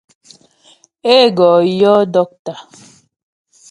Ê gɔ yɔ́ dɔ́ktà.